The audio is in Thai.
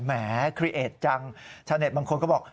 แหมคลีเอดจังชาวเน็ตบางคนก็บอก